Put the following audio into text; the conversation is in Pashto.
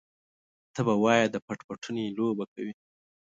ته به وايې د پټ پټوني لوبه کوي.